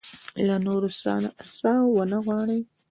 له نورو څه ونه وغواړي.